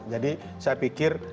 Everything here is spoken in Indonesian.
jadi saya pikir